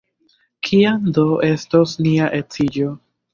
Kiam do estos nia edziĝo?